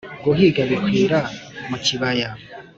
guhiga bikwira mu kibaya